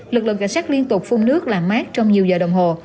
lực lượng cảnh sát liên tục phun nước làm mát trong nhiều giờ đồng hồ